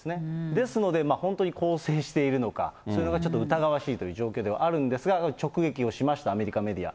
ですので本当に更生しているのか、それがちょっと疑わしいという感じでもあるんですが、直撃をしました、アメリカメディア。